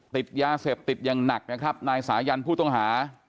ติดยาเสพติดอย่างหนักนะครับนายสายันผู้ต้องหา